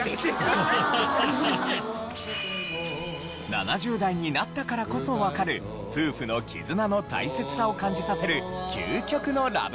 ７０代になったからこそわかる夫婦の絆の大切さを感じさせる究極のラブソング。